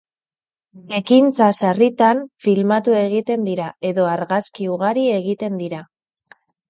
Ekintza, sarritan, filmatu egiten dira edo argazki ugari egiten dira.